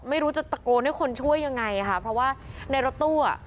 ไม่รู้จะตะโกนให้คนช่วยยังไงค่ะเพราะว่าในรถตู้อ่ะ